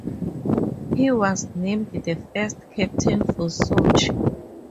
He was named the first captain for Sochi.